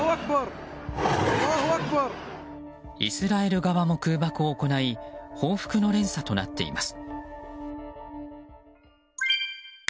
イスラエル側も空爆を行い報復の連鎖となっています。